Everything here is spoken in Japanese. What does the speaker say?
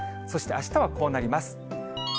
そしてあしたはこうなります。